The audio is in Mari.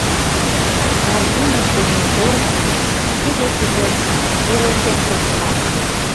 Наргӱмыж дене торжым шке декыже пӧрылтен колтыман...